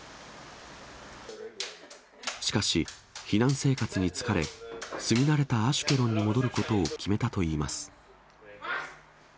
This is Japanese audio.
しかし、避難生活に疲れ、住み慣れたアシュケロンに戻ることを決めたといいます。